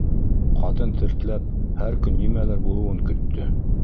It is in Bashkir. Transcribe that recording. Ҡатын тертләп һәр көн нимәлер булыуын көттө.